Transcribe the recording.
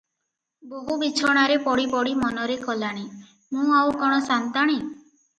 ବୋହୂ ବିଛଣାରେ ପଡ଼ି ପଡ଼ି ମନରେ କଲାଣି, "ମୁଁ ଆଉ କଣ ସାନ୍ତାଣୀ?